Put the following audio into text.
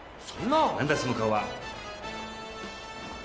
なんだその顔は！？